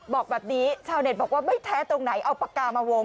บอกแบบนี้ชาวเน็ตบอกว่าไม่แท้ตรงไหนเอาปากกามาวง